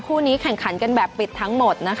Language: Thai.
คู่นี้แข่งขันกันแบบปิดทั้งหมดนะคะ